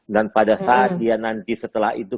dan pada saat dia nanti setelah itu